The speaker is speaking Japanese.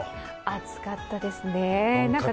暑かったですね。